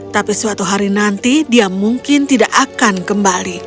tapi suatu hari nanti dia mungkin tidak akan kembali